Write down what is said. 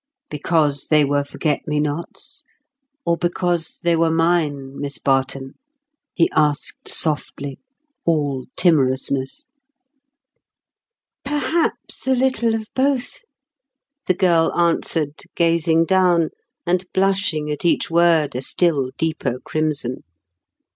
"Because they were forget me nots, or because they were mine, Miss Barton?" he asked softly, all timorousness. "Perhaps a little of both," the girl answered, gazing down, and blushing at each word a still deeper crimson.